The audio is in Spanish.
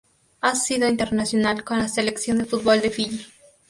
Ha sido internacional con la Selección de fútbol de Fiyi.